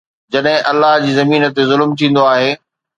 جڏهن الله جي زمين تي ظلم ٿيندو آهي